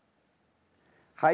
はい。